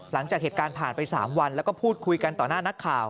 หลังจากเหตุการณ์ผ่านไป๓วันแล้วก็พูดคุยกันต่อหน้านักข่าว